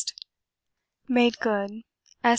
Made good S.